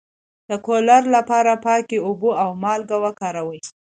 د کولرا لپاره پاکې اوبه او مالګه وکاروئ